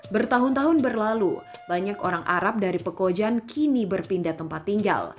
bertahun tahun berlalu banyak orang arab dari pekojan kini berpindah tempat tinggal